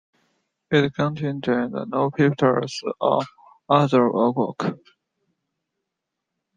It contained no pictures or other artwork.